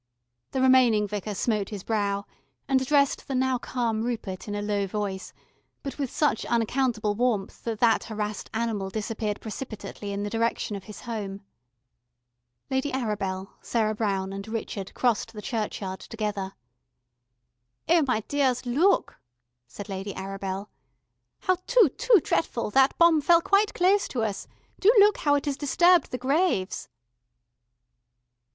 The remaining Vicar smote his brow, and addressed the now calm Rupert in a low voice, but with such unaccountable warmth that that harassed animal disappeared precipitately in the direction of his home. Lady Arabel, Sarah Brown, and Richard crossed the churchyard together. "Oh, my dears, look," said Lady Arabel. "How too too dretful, that bomb fell quite close to us. Do look how it has disturbed the graves...."